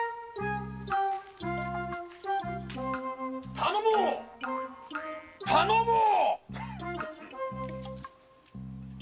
頼もう頼もう。